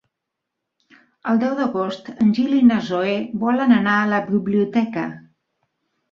El deu d'agost en Gil i na Zoè volen anar a la biblioteca.